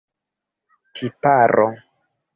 tiparo